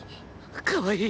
かわいい！